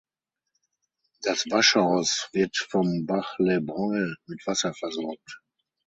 Das Waschhaus wird vom Bach Le Breuil mit Wasser versorgt.